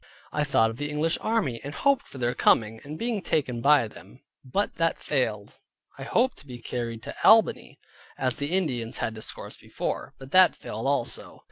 I thought of the English army, and hoped for their coming, and being taken by them, but that failed. I hoped to be carried to Albany, as the Indians had discoursed before, but that failed also.